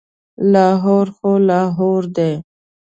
لاهور خو لاهور دی.